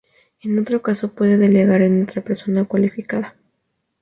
En otro caso puede delegar en otra persona cualificada.